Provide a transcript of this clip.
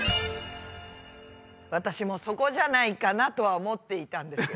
私もそこじゃないかなとは思っていたんです。